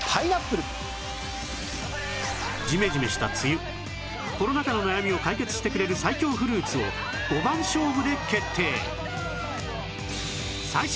じめじめした梅雨コロナ禍の悩みを解決してくれる最強フルーツを５番勝負で決定